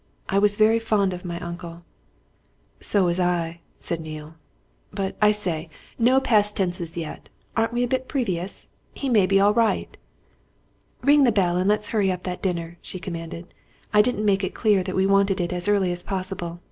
"I was very fond of my uncle." "So was I," said Neale. "But I say no past tenses yet! Aren't we a bit previous? He may be all right." "Ring the bell and let's hurry up that dinner," she commanded. "I didn't make it clear that we want it as early as possible.